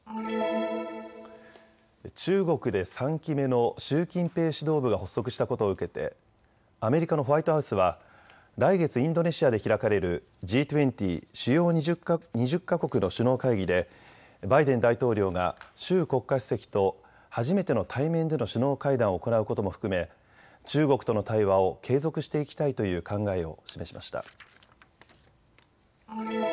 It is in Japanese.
中国で３期目の習近平指導部が発足したことを受けてアメリカのホワイトハウスは来月、インドネシアで開かれるＧ２０・主要２０か国の首脳会議でバイデン大統領が習国家主席と初めての対面での首脳会談を行うことも含め中国との対話を継続していきたいという考えを示しました。